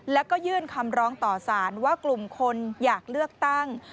แล้วก็ยื่นคำร้องต่อสารว่ากลุ่มคนอยากเลือกตั้ง